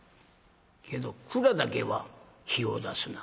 けど蔵だけは火を出すな。